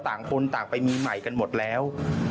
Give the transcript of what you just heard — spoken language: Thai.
ต่างคนต่างไปมีใหม่กันหมดแล้ว